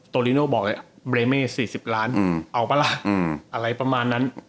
ตัวลิโนบอกบริเมส๔๐ล้านเอาปะละอะไรประมาณนั้น